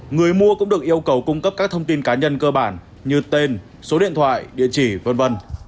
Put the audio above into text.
người mua cũng được yêu cầu cung cấp các thông tin cá nhân cơ bản như tên số điện thoại địa chỉ v v